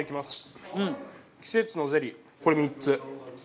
季節のゼリーこれ３つ。